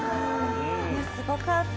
すごかった。